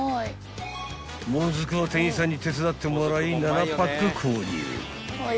［もずくは店員さんに手伝ってもらい７パック購入］